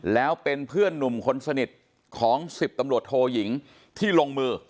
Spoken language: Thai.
แล้วเป็นเพื่อนหนุ่มคนสนิทของ๑๐ตำรวจโทยิงที่ลงมือ